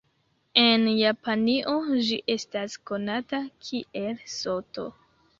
En Japanio, ĝi estas konata kiel Soto.